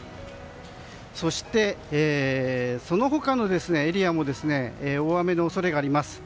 そして、その他のエリアも大雨の恐れがあります。